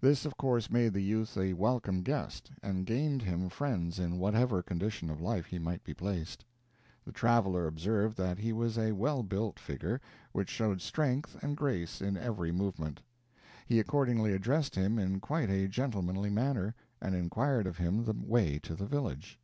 This of course made the youth a welcome guest, and gained him friends in whatever condition of life he might be placed. The traveler observed that he was a well built figure, which showed strength and grace in every movement. He accordingly addressed him in quite a gentlemanly manner, and inquired of him the way to the village.